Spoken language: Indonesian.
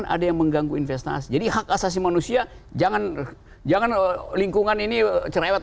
ada yang mengganggu investasi jadi hak asasi manusia jangan jangan lingkungan ini cerewet